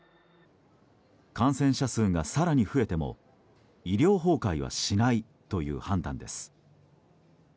感染者数が更に増えても医療崩壊はしないという判断です。